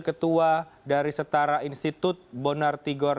selamat sore bang bonar